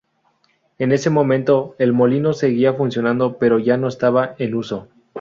En ese momento, el molino seguía funcionando pero ya no estaba en uso.